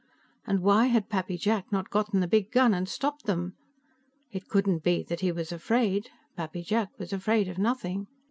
And why had Pappy Jack not gotten the big gun and stopped them. It couldn't be that he was afraid; Pappy Jack was afraid of nothing.